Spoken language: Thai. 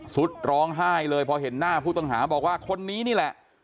สุดร้องไห้เลยพอเห็นหน้าผู้ต้องหาบอกว่าคนนี้นี่แหละ